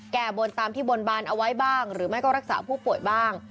แก้บนตามที่บนบานเอาไว้บ้างหรือไม่ก็รักษาผู้ป่วยบ้าง